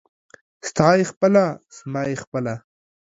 ستا يې خپله ، زما يې خپله.